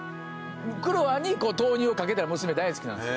クロワに豆乳をかけたのが娘大好きなんですよ。